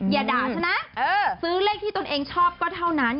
อย่าด่าใช่ไหมซื้อเลขที่ตนเองชอบก็เท่านั้น